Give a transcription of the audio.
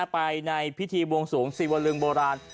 ไปในพิธีบวงสวงศิวลึงโบราณ